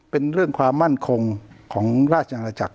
เป็นเรื่องความมั่นคงของราชอาณาจักร